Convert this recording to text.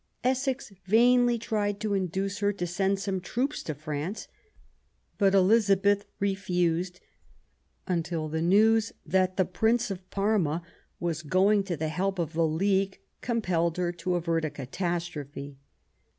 Essex vainly tried to induce her to send some troops to France ; but Elizabeth refused, until the news that the Prince of Parma was going to the help of the league com pelled her to avert a catastrophe.